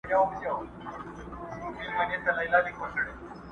وژني د زمان بادونه ژر شمعي،،!